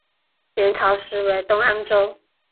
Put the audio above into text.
元朝时为东安州。